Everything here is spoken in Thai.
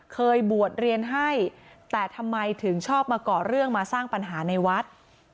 เคยบวชเรียนให้แต่ทำไมถึงชอบมาก่อเรื่องมาสร้างปัญหาในวัด